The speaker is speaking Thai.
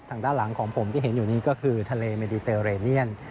ทางด้านหลังของผมที่เห็นอยู่นี้ก็คือทะเลเมดิเตอร์เรเนียน